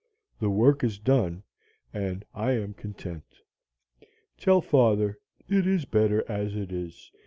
The work is done, and I am content. Tell father it is better as it is.